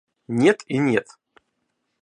Нет и нет!